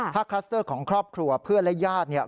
ถ้าคลัสเตอร์ของครอบครัวเพื่อนและญาติเนี่ย